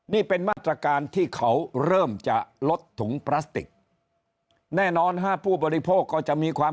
นี่เป็นมาตรการที่เขาเริ่มจะลดถุงพลาสติกแน่นอนฮะผู้บริโภคก็จะมีความ